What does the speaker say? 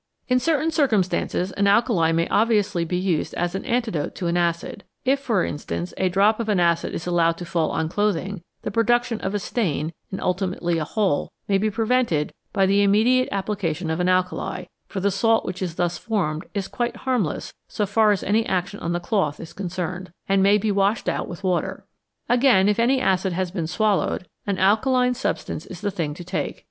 In certain circumstances an alkali may obviously be used as an antidote to an acid ; if, for instance, a drop of an acid is allowed to fall on clothing, the production of a stain, and ultimately a hole, may be prevented by the immediate application of an alkali, for the salt which is thus formed is quite harmless so far as any action on the cloth is concerned, and may be washed out with water. Again, if any acid has been swallowed, an alkaline substance is the thing to take.